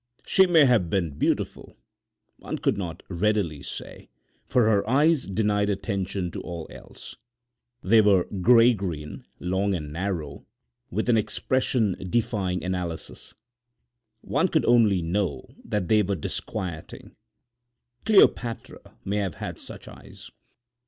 She may have been beautiful; one could not readily say, for her eyes denied attention to all else. They were gray green, long and narrow, with an expression defying analysis. One could only know that they were disquieting. Cleopatra may have had such eyes.